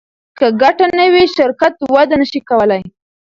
که ګټه نه وي شرکت وده نشي کولی.